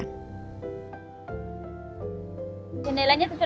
nailanya sudah bisa tuntun saya